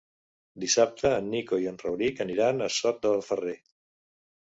Dissabte en Nico i en Rauric aniran a Sot de Ferrer.